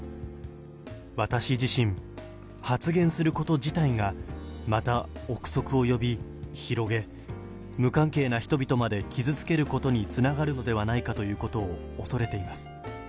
私自身、発言すること自体がまた臆測を呼び、広げ、無関係な人々まで傷つけることにつながるのではないかということ